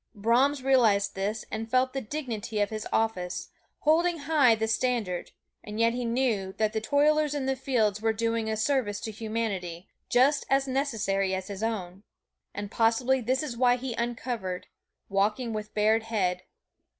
Brahms realized this and felt the dignity of his office, holding high the standard; and yet he knew that the toilers in the fields were doing a service to humanity, just as necessary as his own. And possibly this is why he uncovered, walking with bared head.